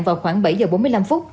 vào khoảng bảy giờ bốn mươi năm phút